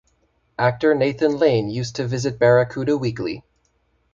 Actor Nathan Lane used to visit Barracuda weekly.